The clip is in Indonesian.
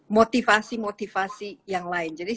motivasi motivasi yang lain jadi